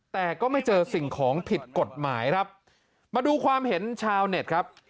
แต่ก็ไม่เจอสิ่งของผิดกฎหมายครับมาดูความเห็นชาวเน็ตครับ